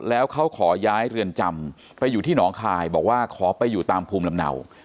แล้วเขาขอย้ายเรือนจำไปอยู่ที่หนองคายบอกว่าขอไปอยู่ตามภูมิลำเนา